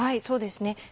そうですね